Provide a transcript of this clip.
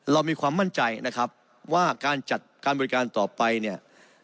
เรามีความมั่นใจนะครับว่าการจัดการบริการต่อไปเนี่ย